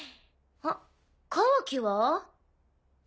あっカワキは？